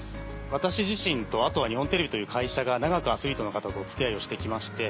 私自身とあとは日本テレビという会社が長くアスリートの方とお付き合いをしてきまして。